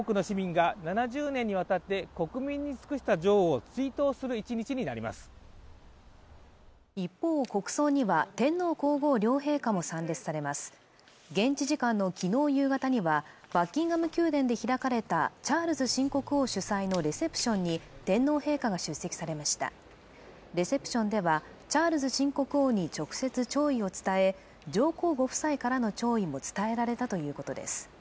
イギリスでは国葬の今日は休日となり多くの市民が７０年にわたって国民に尽くした女王を追悼する１日になります一方国葬には天皇皇后両陛下も参列されます現地時間のきのう夕方にはバッキンガム宮殿で開かれたチャールズ新国王主催のレセプションに天皇陛下が出席されましたレセプションではチャールズ新国王に直接弔意を伝え上皇ご夫妻からの弔意を伝えられたということです